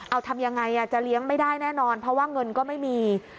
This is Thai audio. เอาทำยังไงจะเลี้ยงไม่ได้แน่นอนเพราะว่าเงินก็ไม่มี